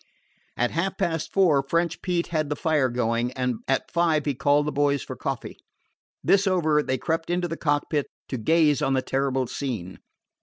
At half past four French Pete had the fire going, and at five he called the boys for coffee. This over, they crept into the cockpit to gaze on the terrible scene.